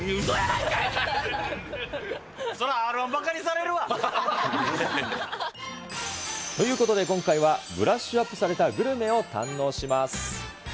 うそやないかい！ということで今回は、ブラッシュアップされたグルメを堪能します。